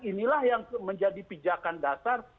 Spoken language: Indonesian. inilah yang menjadi pijakan dasar